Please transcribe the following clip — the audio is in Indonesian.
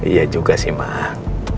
iya juga sih mak